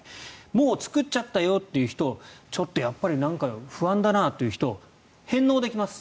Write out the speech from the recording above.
もう作ったよという人ちょっとやっぱり不安だなという人返納できます。